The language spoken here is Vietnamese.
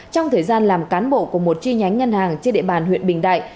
trong thời gian làm cán bộ của một chi nhánh ngân hàng trên địa bàn huyện bình đại